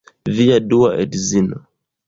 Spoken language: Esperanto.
Via dua edzino